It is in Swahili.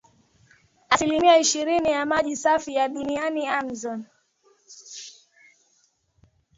asilimia ishirini ya maji safi ya Duniani Amazon